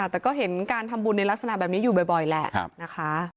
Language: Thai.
แต่ก็เห็นการทำบุญในลักษณะแบบนี้อยู่บ่อยแหละนะคะ